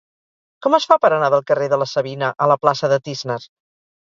Com es fa per anar del carrer de la Savina a la plaça de Tísner?